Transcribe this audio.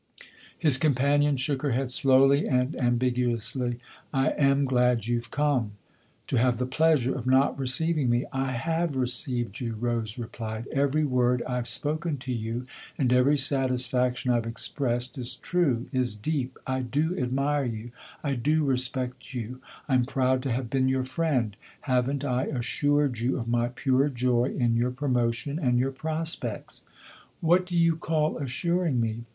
His companion shook her head slowly and am biguously. " I am glad you've come." " To have the pleasure of not receiving me ?"" I have received you," Rose replied. " Every word I've spoken to you and every satisfaction I've expressed is true, is deep. I do admire you, I do respect you, I'm proud to have been your friend. Haven't I assured you of my pure joy in your pro motion and your prospects ?"" What do you call assuring me